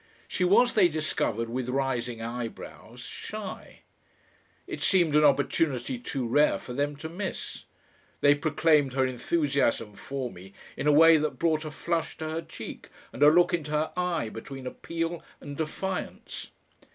She was, they discovered with rising eyebrows, shy. It seemed an opportunity too rare for them to miss. They proclaimed her enthusiasm for me in a way that brought a flush to her cheek and a look into her eye between appeal and defiance.